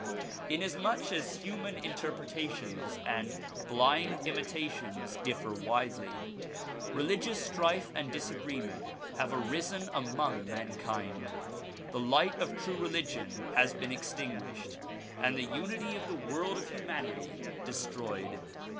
Inasmuch as human interpretations and blind imitations diff'er widely, religious strife and disagreement have arisen among man kind, the light of true religion has been extinguished and the unity of the world of humanity destroyed.